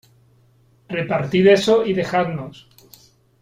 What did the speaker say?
repartid eso y dejadnos .